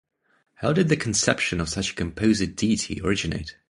How did the conception of such a composite deity originate?